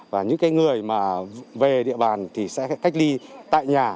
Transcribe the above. và những người về địa bàn sẽ cách ly tại nhà